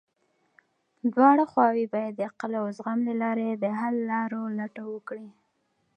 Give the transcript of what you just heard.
دواړه خواوې بايد د عقل او زغم له لارې د حل لارو لټه وکړي.